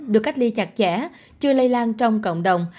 được cách ly chặt chẽ chưa lây lan trong cộng đồng